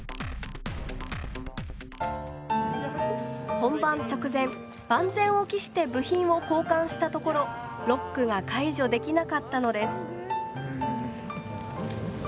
本番直前万全を期して部品を交換したところロックが解除できなかったのです。